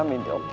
amin ya allah